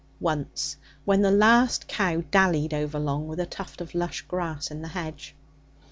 once, when the last cow dallied overlong with a tuft of lush grass in the hedge.